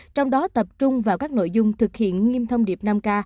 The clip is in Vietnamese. trong đó tập trung vào các nội dung thực hiện nghiêm thông điệp năm k